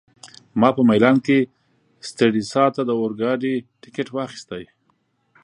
ما په میلان کي سټریسا ته د اورګاډي ټکټ واخیست.